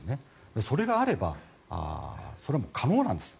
それがあれば可能なんです。